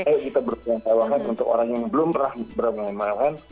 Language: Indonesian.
ayo kita berbuka puasa memang mewahkan untuk orang yang belum pernah berbuka puasa memang mewahkan